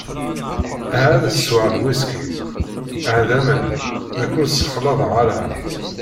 Ha ad sweɣ lwhisky, ha d aman, nekk ur ssexlaḍeɣ ara.